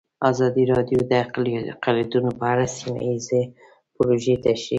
ازادي راډیو د اقلیتونه په اړه سیمه ییزې پروژې تشریح کړې.